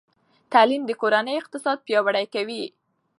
تعلیم د کورنۍ اقتصاد پیاوړی کوي.